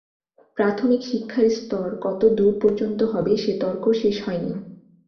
প্রাথমিক শিক্ষার স্তর কত দূর পর্যন্ত হবে, সে তর্ক শেষ হয়নি।